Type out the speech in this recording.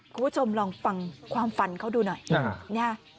คุณผู้ชมลองฟังความฝันเขาดูหน่อย